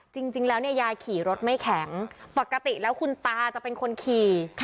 จริงแล้วเนี่ยยายขี่รถไม่แข็งปกติแล้วคุณตาจะเป็นคนขี่